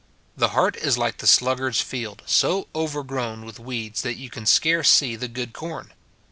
The heart is like the sluggard's field, — so over grown with weeds that you can scarce see the good corn.